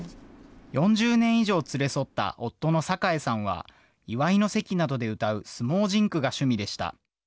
４０年以上連れ添った夫の榮さんは祝いの席などで歌う相撲甚句が趣味でした。